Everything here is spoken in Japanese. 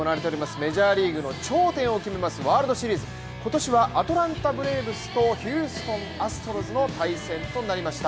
メジャーリーグの頂点を決めますワールドシリーズ、今年はアトランタブレーブスとヒューストンアストロズの対戦となりました。